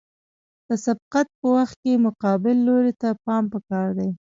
د سبقت په وخت کې مقابل لوري ته پام پکار دی